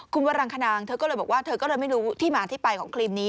คุณวรังคณางเธอก็เลยบอกว่าเธอก็เลยไม่รู้ที่มาที่ไปของครีมนี้